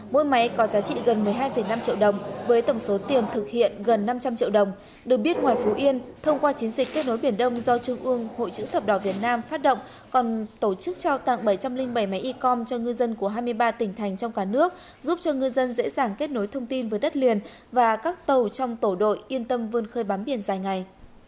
mỗi máy có giá trị gần một mươi hai năm triệu đồng với tổng số tiền thực hiện gần năm trăm linh triệu đồng được biết ngoài phú yên thông qua chiến dịch kết nối biển đông do trung ương hội chợ thập đỏ việt nam phát động còn tổ chức trao tặng bảy trăm linh bảy máy ecom cho ngư dân của hai mươi ba tỉnh thành trong cả nước giúp cho ngư dân dễ dàng kết nối thông tin với đất liền và các tàu trong tổ đội yên tâm vươn khơi bám biển dài ngày